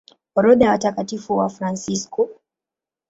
Orodha ya Watakatifu Wafransisko